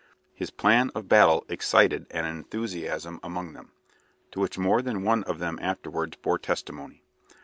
His plan of battle excited an enthusiasm among them, to which more than one of them afterwards bore testimony.